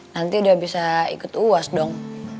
nanti udah bisa ikut uas dong